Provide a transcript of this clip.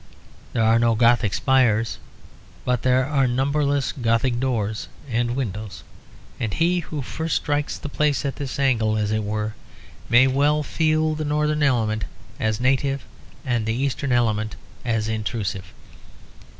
There are no Gothic spires, but there are numberless Gothic doors and windows; and he who first strikes the place at this angle, as it were, may well feel the Northern element as native and the Eastern element as intrusive.